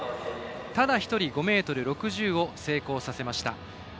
ただ１人、５ｍ６０を成功させました。